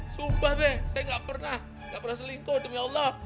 sumpah be saya gak pernah selingkuh demi allah